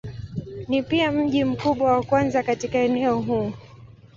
Ni pia mji mkubwa wa kwanza katika eneo huu.